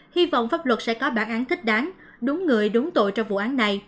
hy vọng pháp luật sẽ có bản án thích đáng đúng người đúng tội trong vụ án này